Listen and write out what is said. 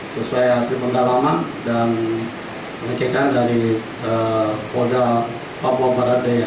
sesuai hasil pendalaman dan pengecekan dari polda papua barat daya